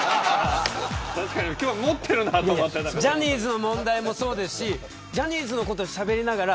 確かに、今日は持ってるなと思いながらジャニーズの問題もそうですしジャニーズのことをしゃべりながら